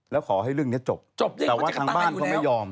แล้วขอให้เรื่องนี้จบแต่ว่าทางบ้านเขาไม่ยอม